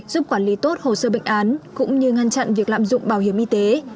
giúp quản lý tốt hồ sơ bệnh án cũng như ngăn chặn việc lạm dụng bảo hiểm y tế